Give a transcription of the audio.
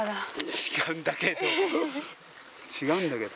違うんだけど。